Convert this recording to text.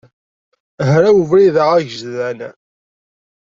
Hraw ubrid-a agejdan.